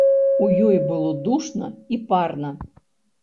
У ёй было душна і парна.